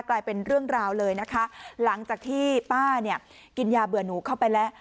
กลายเป็นเรื่องราวเลยนะคะหลังจากที่ป้าเนี่ยกินยาเบื่อหนูเข้าไปแล้ว